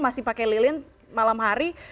masih pakai lilin malam hari